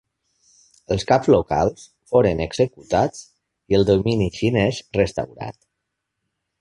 Els caps locals foren executats i el domini xinès restaurat.